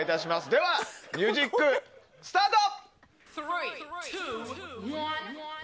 ではミュージックスタート！